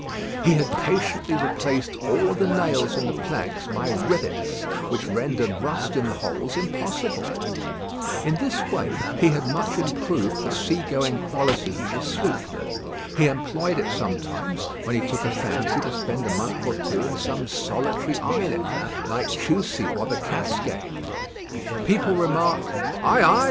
He had patiently replaced all the nails in the planks by rivets; which rendered rust in the holes impossible. In this way he had much improved the sea going qualities of the sloop. He employed it sometimes when he took a fancy to spend a month or two in some solitary islet, like Chousey or the Casquets. People said, "Ay! ay!